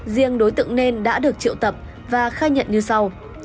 riêng đối tượng nên đã được triệu tập và khai nhận như sau